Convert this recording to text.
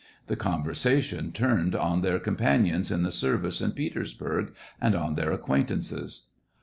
The conversation turned on their compan ^ons in the service in Petersburg, and on their acquaintances.